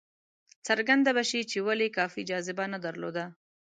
څرګنده به شي چې ولې کافي جاذبه نه درلوده.